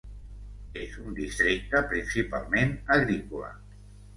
És un districte principalment agrícola.